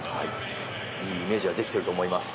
いいイメージができていると思います。